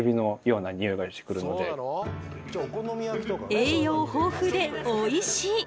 栄養豊富でおいしい！